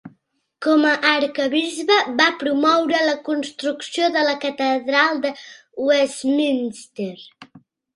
Com a arquebisbe va promoure la construcció de la Catedral de Westminster.